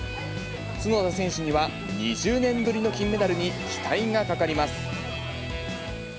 角田選手には２０年ぶりの金メダルに期待がかかります。